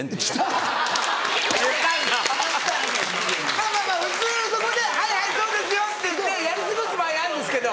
まぁまぁまぁ普通そこで「はいそうですよ」って言ってやり過ごす場合あるんですけど。